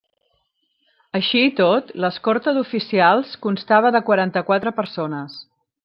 Així i tot, l'escorta d'oficials constava de quaranta-quatre persones.